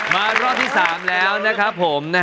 มารอบที่๓แล้วนะครับผม